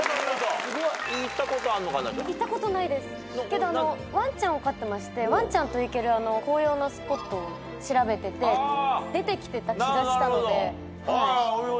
けどワンちゃんを飼ってましてワンちゃんと行ける紅葉のスポットを調べてて出てきてた気がしたのではい。